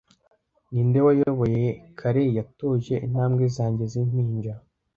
Ninde wayoboye kare yatoje intambwe zanjye zimpinja--